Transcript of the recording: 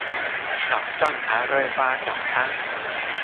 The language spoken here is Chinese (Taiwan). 早上還會發早餐